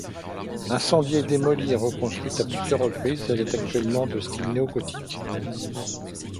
Incendiée, démolie et reconstruite à plusieurs reprises, elle est actuellement de style néo-gothique.